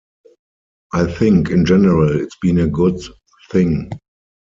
I think in general it's been a good thing.